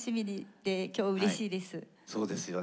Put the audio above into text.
そうですよね。